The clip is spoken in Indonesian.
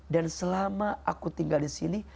dan selama aku tinggal disini